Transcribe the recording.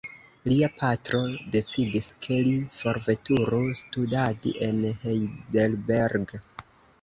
Lia patro decidis, ke li forveturu studadi en Heidelberg.